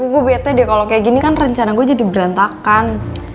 gue bete deh kalo kaya gini kan rencana gue jadi berantakan